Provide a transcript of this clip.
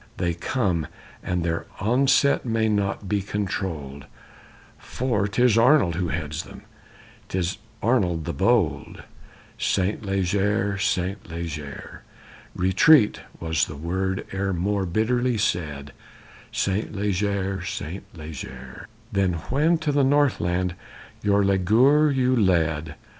They come, and their onset may not be controlled, For 'tis Arnold who heads them, 'tis Arnold the bold_ Saint Leger, Saint Leger! Retreat! Was the word e'er more bitterly said, Saint Leger, Saint Leger, Than when to the North land your leaguer you led?